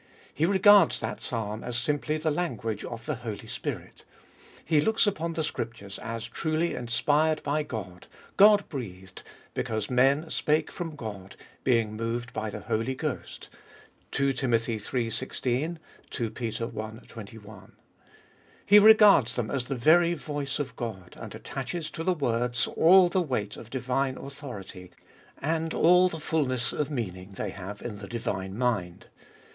He regards that Psalm as simply the language of the Holy Spirit He looks upon the Scriptures as truly inspired by God, God breathed, because men spake from God, being moved by the Holy Ghost (2 Tim. iii. 16, 2 Pet. i. 21). He regards them as the very voice of God, and attaches to the words all the weight of divine authority, and all the fulness of meaning they have in the divine mind.